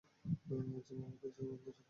এই জিম আমার কাছে মন্দিরের মতো।